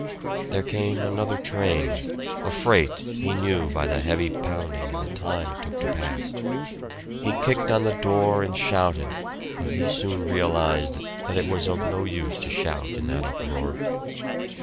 There came another train, a freight, he knew by the heavy pounding and the time it took to pass. He kicked on the door and shouted, but he soon realized that it was of no use to shout in that uproar.